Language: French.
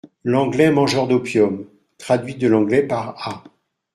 L'ANGLAIS MANGEUR D'OPIUM, traduit de l'anglais par A.